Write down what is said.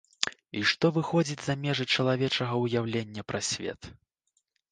І што выходзіць за межы чалавечага ўяўлення пра свет.